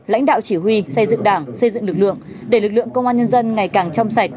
lãnh đạo chỉ huy xây dựng đảng xây dựng lực lượng để lực lượng công an nhân dân ngày càng trong sạch